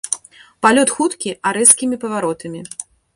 Палёт хуткі а рэзкімі паваротамі.